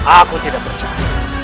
aku tidak percaya